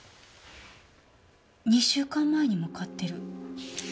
２週間前にも買ってる。